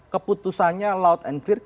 keputusannya loud and clear